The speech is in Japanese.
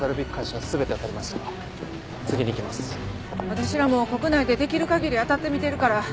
私らも国内でできるかぎり当たってみてるから。